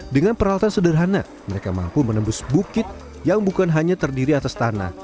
dengan peralatan sederhana mereka mampu menembus bukit yang bukan hanya terdiri atas tanah